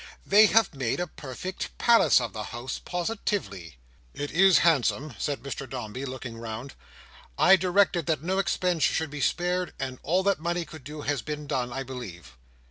They have made a perfect palace of the house, positively." "It is handsome," said Mr Dombey, looking round. "I directed that no expense should be spared; and all that money could do, has been done, I believe."